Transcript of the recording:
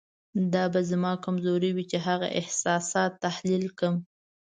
دا به زما کمزوري وي چې هغه احساسات تحلیل کړم.